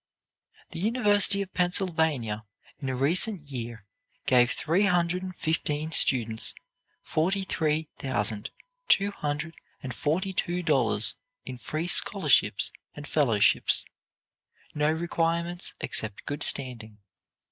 The University of Pennsylvania in a recent year gave three hundred and fifteen students forty three thousand, two hundred and forty two dollars in free scholarships and fellowships; no requirements except good standing.